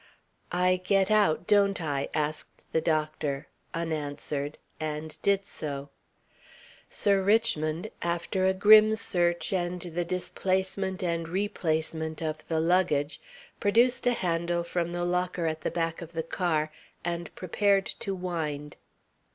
"I get out, don't I?" asked the doctor, unanswered, and did so. Sir Richmond, after a grim search and the displacement and replacement of the luggage, produced a handle from the locker at the back of the car and prepared to wind.